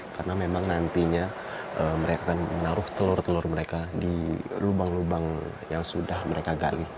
karena memang nantinya mereka akan menaruh telur telur mereka di lubang lubang yang sudah mereka gali